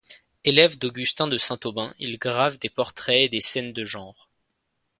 Élève d'Augustin de Saint-Aubin, il grave des portraits et des scènes de genre.